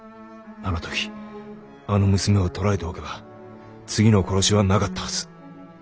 あの時あの娘を捕らえておけば次の殺しはなかったはず。